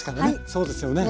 そうですよね。